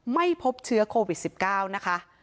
ไม่พบเชื้อโควิด๑๙นะคะ